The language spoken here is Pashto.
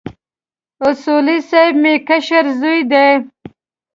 اصولي صیب مې کشر زوی دی.